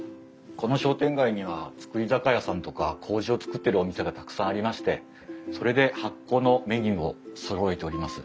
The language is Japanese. この商店街には造り酒屋さんとかこうじを造ってるお店がたくさんありましてそれで発酵のメニューをそろえております。